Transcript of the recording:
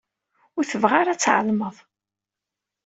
Ur tebɣi ara ad tɛelmeḍ.